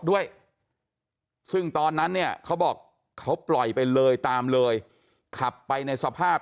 ด้วยซึ่งตอนนั้นเนี่ยเขาบอกเขาปล่อยไปเลยตามเลยขับไปในสภาพ